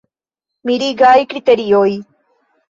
Mirigaj kriterioj.